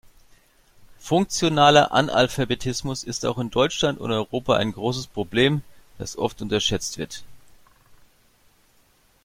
Funktionaler Analphabetismus ist auch in Deutschland und Europa ein großes Problem, das oft unterschätzt wird.